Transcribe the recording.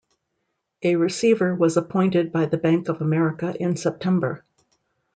A receiver was appointed by the Bank of America in September.